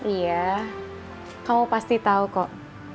iya kamu pasti tahu kok